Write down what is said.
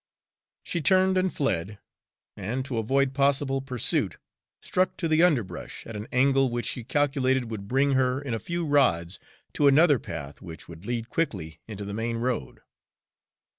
She turned and fled, and to avoid possible pursuit, struck into the underbrush at an angle which she calculated would bring her in a few rods to another path which would lead quickly into the main road.